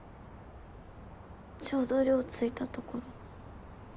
ちょうど寮着いたとこ。